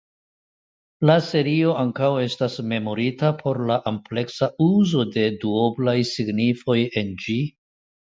La serio ankaŭ estas memorita por la ampleksa uzo de duoblaj signifoj en ĝi.